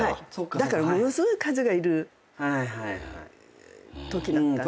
だからものすごい数がいるときだったんですね。